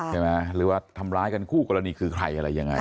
หรือว่าทำร้ายกันคู่กรณีคือใครอะไรยังไง